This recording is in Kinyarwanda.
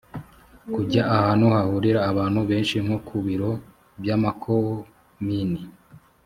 kujya ahantu hahurira abantu benshi nko ku biro by’amakomini